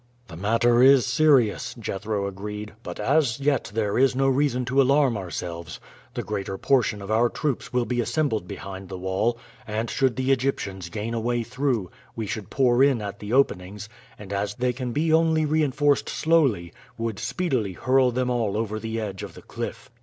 "The matter is serious," Jethro agreed; "but as yet there is no reason to alarm ourselves. The greater portion of our troops will be assembled behind the wall, and should the Egyptians gain a way through we should pour in at the openings, and as they can be only reinforced slowly, would speedily hurl them all over the edge of the cliff.